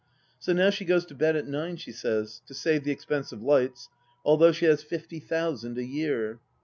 So now she goes to bed at nine, she says, to save the expense of lights, although she has fifty thousand a year.